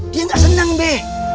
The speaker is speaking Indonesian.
dia gak senang be